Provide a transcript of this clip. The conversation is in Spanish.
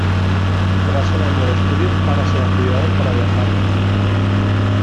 Tras un año de estudios, para sus actividades para viajar.